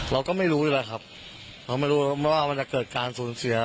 เราก็ไม่รู้นี่แหละครับเราไม่รู้ไม่ว่ามันจะเกิดการสูญเสีย